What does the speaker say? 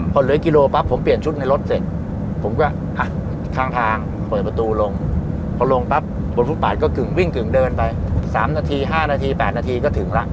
พอเหลือกิโลปั๊บผมเปลี่ยนชุดในรถเสร็จผมก็อ่ะข้างทางเปิดประตูลงพอลงปั๊บบนฟุตบาทก็กึ่งวิ่งกึ่งเดินไป๓นาที๕นาที๘นาทีก็ถึงละ